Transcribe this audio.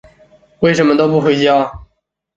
为什么都不回家？